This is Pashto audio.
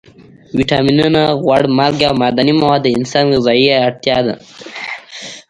ویټامینونه، غوړ، مالګې او معدني مواد د انسان غذایي اړتیا ده.